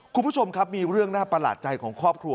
คุณผู้ชมครับมีเรื่องน่าประหลาดใจของครอบครัว